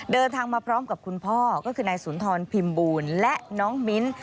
เดินทางมาพร้อมกับคุณพ่อก็คือนายสุนทรพิมพ์บูลและน้องมิ้น